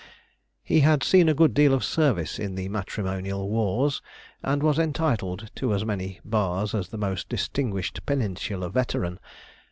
He had seen a good deal of service in the matrimonial wars, and was entitled to as many bars as the most distinguished peninsular veteran.